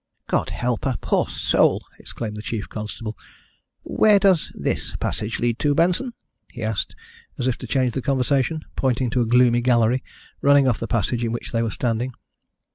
"God help her, poor soul!" exclaimed the chief constable. "Where does this passage lead to, Benson?" he asked, as if to change the conversation, pointing to a gloomy gallery running off the passage in which they were standing.